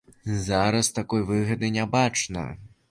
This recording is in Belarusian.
Зараз такой выгады не бачна.